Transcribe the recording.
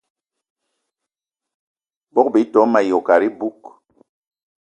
Bogb-ito mayi wo kat iboug.